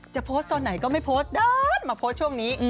โพสต์ตอนไหนก็ไม่โพสต์ด้านมาโพสต์ช่วงนี้